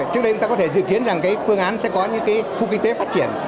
trước đây chúng ta có thể dự kiến rằng cái phương án sẽ có những khu kinh tế phát triển